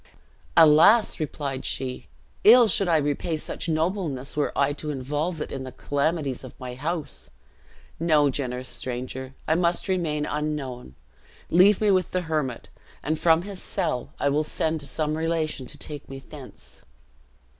"Alas!" replied she, "ill should I repay such nobleness were I to involve it in the calamities of my house. No, generous stranger, I must remain unknown. Leave me with the hermit; and from his cell I will send to some relation to take me thence."